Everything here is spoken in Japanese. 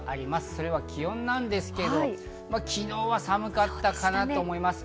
それが気温なんですけど、昨日は寒かったかなと思います。